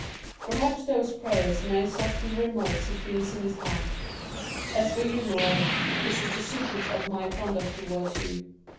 Perhaps those prayers may soften the remorse he feels in his heart. As for you, Morrel, this is the secret of my conduct towards you.